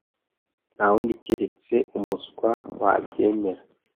Ntawundi keretse umuswa wabyemera.